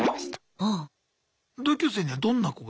同級生にはどんな子が？